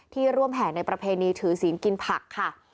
ร่วมแห่ในประเพณีถือศีลกินผักค่ะ